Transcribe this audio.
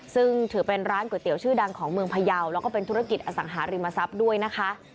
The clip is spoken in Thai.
ซึ่งถือเป็นร้านก๋วยเตี๋ยวชื่อดังของเมืองพยาวแล้วก็เป็นธุรกิจอสังหาริมทรัพย์ด้วยนะคะ